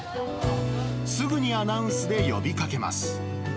すぐにアナウンスで呼びかけます。